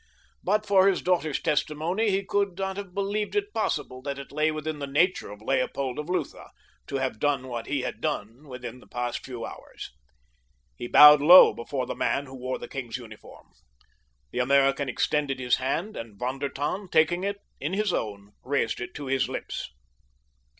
But for his daughter's testimony he could not have believed it possible that it lay within the nature of Leopold of Lutha to have done what he had done within the past few hours. He bowed low before the man who wore the king's uniform. The American extended his hand, and Von der Tann, taking it in his own, raised it to his lips.